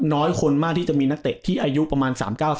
น้อยคนมากที่จะมีนักเตะที่อายุประมาณ๓๙๐